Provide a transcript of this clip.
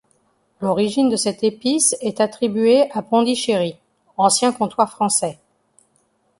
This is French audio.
L'origine de cette épice est attribué à Pondichéry, ancien comptoir français.